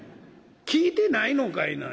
「聞いてないのんかいな。